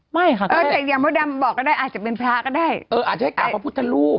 ไม่ค่ะเออแต่อย่างมดดำบอกก็ได้อาจจะเป็นพระก็ได้เอออาจจะให้กราบพระพุทธรูป